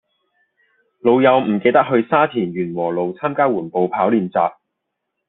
老友唔記得去沙田源禾路參加緩步跑練習